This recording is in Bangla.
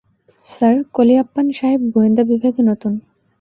স্যার, কোলিয়াপ্পান সাহেব গোয়েন্দা বিভাগে নতুন।